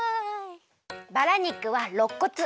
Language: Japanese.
バラ肉はろっこつ。